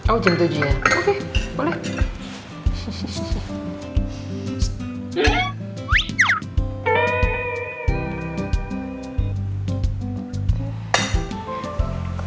oh jam tujuh ya oke boleh